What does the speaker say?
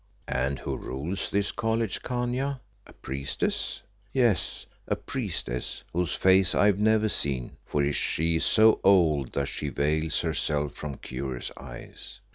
"And who rules this college, Khania a priestess?" "Yes, a priestess, whose face I have never seen, for she is so old that she veils herself from curious eyes."